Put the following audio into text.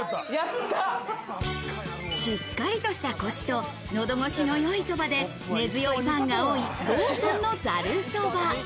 しっかりとしたコシと喉越しの良いそばで根強いファンが多い、ローソンのざるそば。